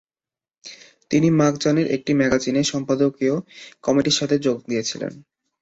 তিনি মাখজানের একটি ম্যাগাজিনের সম্পাদকীয় কমিটির সাথেও যোগ দিয়েছিলেন।